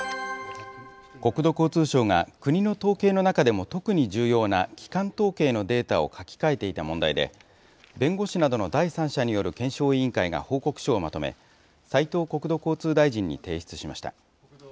国土交通省が国の統計の中でも特に重要な基幹統計のデータを書き換えていた問題で、弁護士などの第三者による検証委員会が報告書をまとめ、斉藤国土交通大臣に提出しました。